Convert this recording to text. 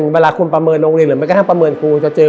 เวลาคุณประเมินโรงเรียนหรือแม้กระทั่งประเมินครูจะเจอ